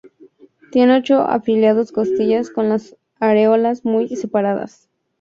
Tiene ocho afiladas costillas con las areolas muy separadas.